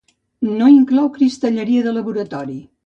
No inclou cristalleria de laboratori.